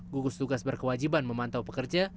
gugus tugas berkewajiban memantau pekerja